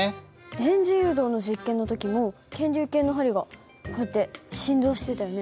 電磁誘導の実験の時も検流計の針がこうやって振動してたよね。